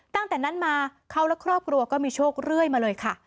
ตั้งแต่นั้นมาเขาและครอบครัวก็มีโชคเรื่อยมาเลยค่ะ